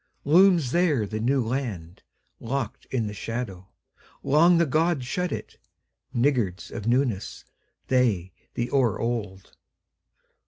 Looms there the New Land:Locked in the shadowLong the gods shut it, Niggards of newnessThey, the o'er old.